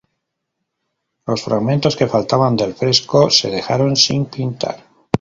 Los fragmentos que faltaban del fresco, se dejaron sin pintar.